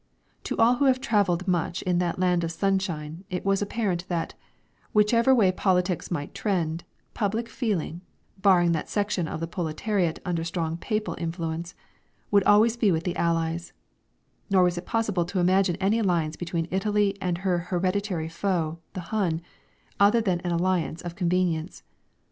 To all who have travelled much in that land of sunshine it was apparent that, whichever way politics might trend, public feeling (barring that section of the proletariat under strong Papal influence) would always be with the Allies; nor was it possible to imagine any alliance between Italy and her hereditary foe, the Hun, other than an alliance of convenience.